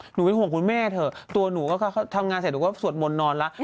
หนูเป็นห่วงคุณแม่เถอะตัวหนูก็ทำงานเสร็จหนูก็สวดมนต์นอนแล้ว